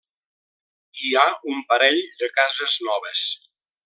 Hi ha un parell de cases noves.